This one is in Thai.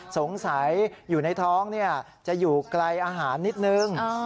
สงสัยอยู่ในท้องจะอยู่ไกลอาหารนิดนึง